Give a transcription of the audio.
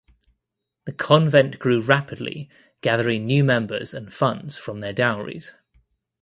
The convent grew rapidly gathering new members and funds from their dowries.